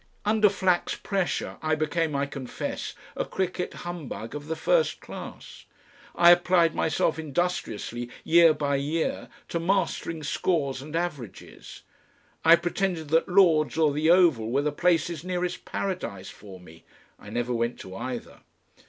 Under Flack's pressure I became, I confess, a cricket humbug of the first class. I applied myself industriously year by year to mastering scores and averages; I pretended that Lords or the Oval were the places nearest Paradise for me. (I never went to either.)